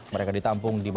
mereka ditampung di bapak